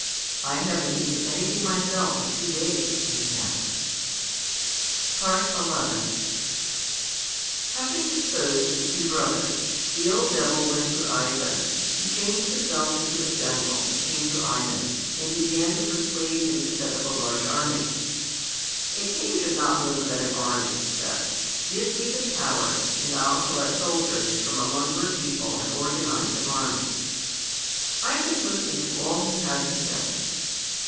"I haven't eaten anything myself for two days," he said. XI Having disposed of the two brothers, the old Devil went to Ivan. He changed himself into a general and came to Ivan, and began to persuade him to set up a large army. "A king should not live without an army," he said. "Give me the power, and I'll collect soldiers from among your people and organize an army." Ivan listened to all he had to say.